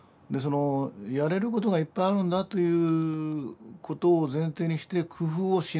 やれることがいっぱいあるんだということを前提にして工夫をしない。